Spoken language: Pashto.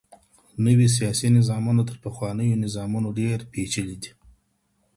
نوي سياسي نظامونه تر پخوانيو نظامونو ډېر پېچلي دي.